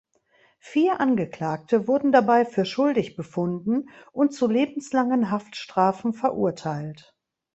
Vier Angeklagte wurden dabei für schuldig befunden und zu lebenslangen Haftstrafen verurteilt.